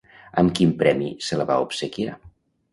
Amb quin premi se la va obsequiar?